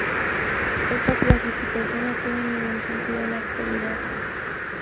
Esta clasificación no tiene ningún sentido en la actualidad.